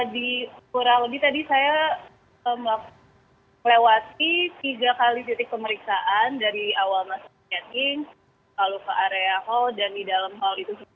di kurang lebih tadi saya melewati tiga kali titik pemeriksaan dari awal masuk chatting lalu ke area hall dan di dalam hal itu sendiri